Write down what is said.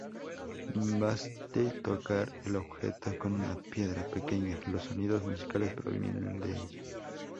Baste tocar el objeto con una piedra pequeña, los sonidos musicales provienen de ella.